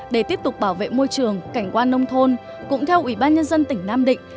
để tiếp tục bảo vệ môi trường cảnh quan nông thôn cũng theo ủy ban nhân dân tỉnh nam định